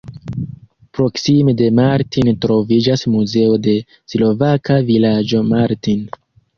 Proksime de Martin troviĝas Muzeo de slovaka vilaĝo Martin.